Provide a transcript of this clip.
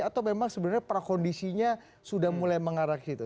atau memang sebenarnya prakondisinya sudah mulai mengarah ke situ